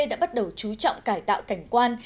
đã bắt đầu chú trọng cải tạo cảnh quan